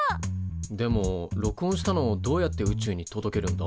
でも録音したのをどうやって宇宙に届けるんだ？